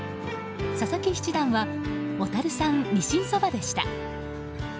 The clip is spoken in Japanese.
佐々木七段は小樽産鰊そばでした。